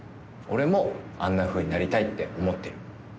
俺もあんなふうになりたいって思ってる。